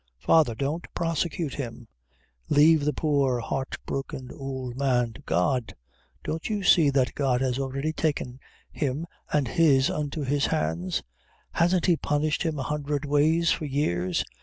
Father, don't prosecute him; leave the poor heartbroken ould man to God! Don't you see that God has already taken him an' his into His hands; hasn't He punished them a hundred ways for years?